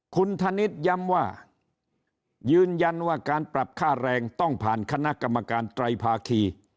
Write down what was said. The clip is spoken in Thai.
คุณธนิษฐ์ย้ำว่ายืนยันว่าการปรับค่าแรงต้องผ่านคณะกรรมการไตรภาคี